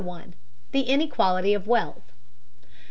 THE INEQUALITY OF WEALTH.